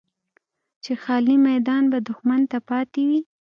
چې خالي میدان به دښمن ته پاتې وي.